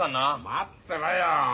待ってろよ。